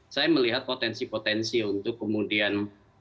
saya melihat potensi potensi untuk kemudian